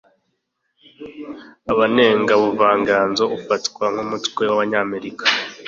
abanenga ubuvanganzo ufatwa nkumutwe wAbanyamerika